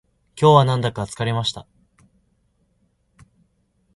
今日はなんだか疲れました